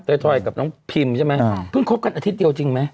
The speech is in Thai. อยกับน้องพิมใช่ไหมเพิ่งคบกันอาทิตย์เดียวจริงไหม